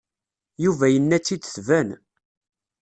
Yuba yenna-tt-id tban.